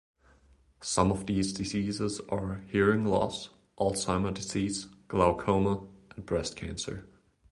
Some of these diseases are hearing loss, Alzheimer disease, glaucoma and breast cancer.